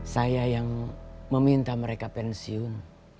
saya yang meminta mereka pensiun